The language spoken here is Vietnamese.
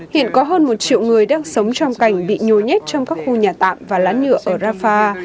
hiện có hơn một triệu người đang sống trong cảnh bị nhồi nhét trong các khu nhà tạm và lá nhựa ở rafah